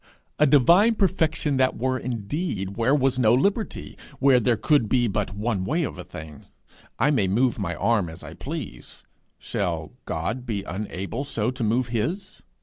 A divine perfection that were indeed, where was no liberty! where there could be but one way of a thing! I may move my arm as I please: shall God be unable so to move his?